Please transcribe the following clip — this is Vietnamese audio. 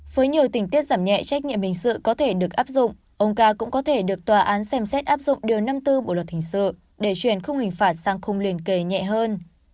với nhiều tình tiết giảm nhẹ trách nhiệm hình sự có thể được áp dụng ông ca cũng có thể được tòa án xem xét áp dụng điều năm mươi bốn bộ luật hình sự để chuyển khung hình phạt sang khung liền kề nhẹ hơn